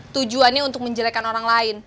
tujuannya untuk menjelekan orang lain